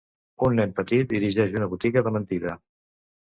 Un nen petit dirigeix una botiga de mentida.